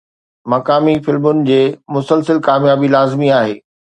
مقامي فلمن جي مسلسل ڪاميابي لازمي آهي.